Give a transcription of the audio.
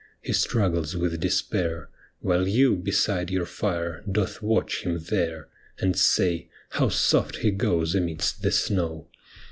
He struggles with despair. While you beside your fire doth watch him there, And say —' How soft he goes amidst the snow